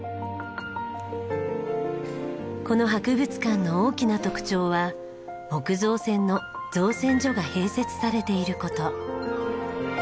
この博物館の大きな特徴は木造船の造船所が併設されている事。